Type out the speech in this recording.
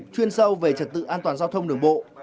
chuyên sâu về trật tự an toàn giao thông đường bộ